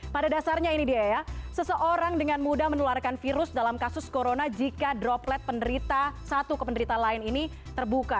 pada dasarnya ini dia ya seseorang dengan mudah menularkan virus dalam kasus corona jika droplet penderita satu ke penderita lain ini terbuka